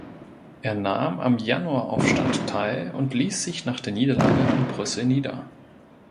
Er nahm am Januaraufstand teil und ließ sich nach der Niederlage in Brüssel nieder.